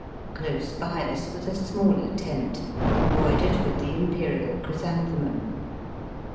Close by us was a smaller tent, em broidered with the Imperial chrysanthemum.